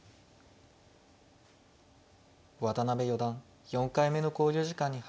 渡辺四段４回目の考慮時間に入りました。